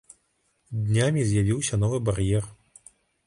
Днямі з'явіўся новы бар'ер.